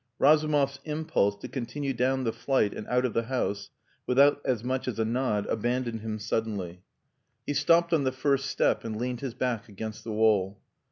Razumov's impulse to continue down the flight and out of the house without as much as a nod abandoned him suddenly. He stopped on the first step and leaned his back against the wall.